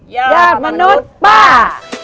ยอดมนุษย์ป้า